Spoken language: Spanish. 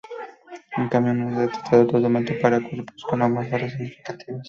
En cambio, no se ha detectado tal aumento para cuerpos con atmósferas significativas.